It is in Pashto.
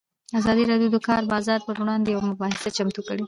ازادي راډیو د د کار بازار پر وړاندې یوه مباحثه چمتو کړې.